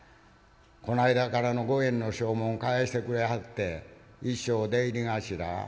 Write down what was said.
この間からの５円の証文返してくれはって一生出入り頭？